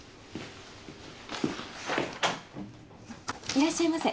・いらっしゃいませ。